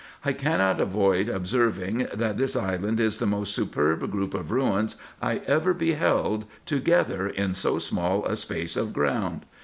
I cannot avoid observing, that this island is the most superb group of ruins I ever beheld together in so small a space of ground.